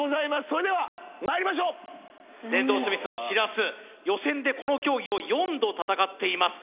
それではまいりましょう電動スミスのしらす予選でこの競技を４度戦っています